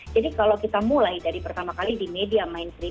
jadi kalau kita mulai dari pertama kali di media mainstream